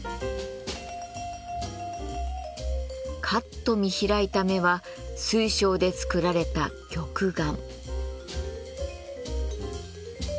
カッと見開いた目は水晶で作られた玉眼。